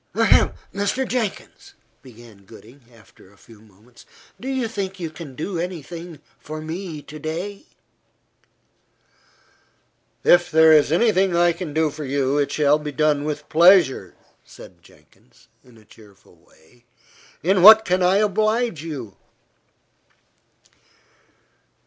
"Ahem! Mr. Jenkins," began Gooding, after a few moments, "do you think you can do any thing for me to day?" "If there is any thing I can do for you, it shall be done with pleasure," said Jenkins, in a cheerful way. "In what can I oblige you?"